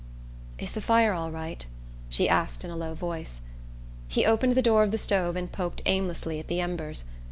"Is the fire all right?" she asked in a low voice. He opened the door of the stove and poked aimlessly at the embers.